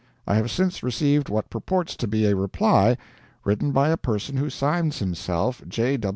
I have since received what purports to be a reply, written by a person who signs himself "J.